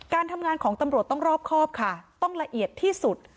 การทำงานของตำรวจต้องรอบครอบค่ะต้องละเอียดที่สุด